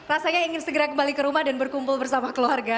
rasanya ingin segera kembali ke rumah dan berkumpul bersama keluarga